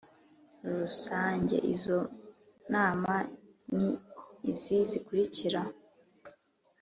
Rusange Izo nama ni izi zikurikira